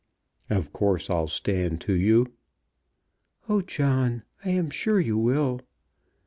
"Of course I'll stand to you." "Oh, John, I am sure you will."